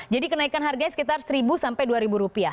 jadi kenaikan harganya sekitar rp satu sampai rp dua